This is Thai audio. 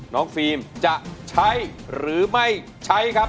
ฟิล์มจะใช้หรือไม่ใช้ครับ